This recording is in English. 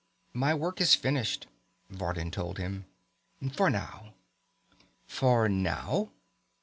"My work is finished," Vardin told him. "For now." "For now?"